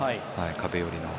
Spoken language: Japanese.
壁寄りの。